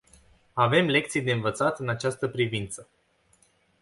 Avem lecții de învățat în această privință.